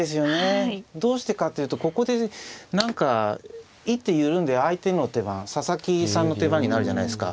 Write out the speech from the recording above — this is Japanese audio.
どうしてかっていうとここで何か一手緩んで相手の手番佐々木さんの手番になるじゃないですか。